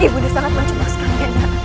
bunda sangat mencumaskan anda